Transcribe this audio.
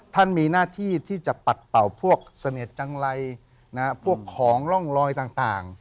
มีหน้าที่ที่จะปัดเป่าพวกเสน็จจังไรพวกของร่องลอยต่าง